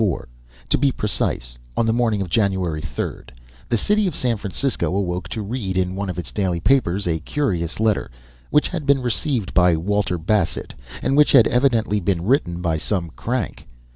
GOLIAH In 1924 to be precise, on the morning of January 3 the city of San Francisco awoke to read in one of its daily papers a curious letter, which had been received by Walter Bassett and which had evidently been written by some crank.